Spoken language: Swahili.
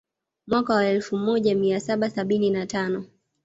Mwaka wa elfu moja mia saba sabini na tano